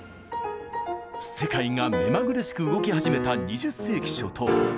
世界が目まぐるしく動き始めた２０世紀初頭。